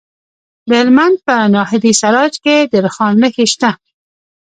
د هلمند په ناهري سراج کې د رخام نښې شته.